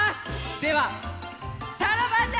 ではさらばじゃ！